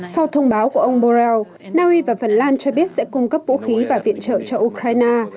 sau thông báo của ông borrell na naui và phần lan cho biết sẽ cung cấp vũ khí và viện trợ cho ukraine